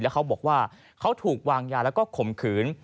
เขาบอกว่าเขาถูกวางยาแล้วก็ข่มขืน